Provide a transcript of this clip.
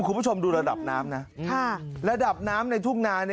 คุณผู้ชมดูระดับน้ำนะระดับน้ำในทุ่งนา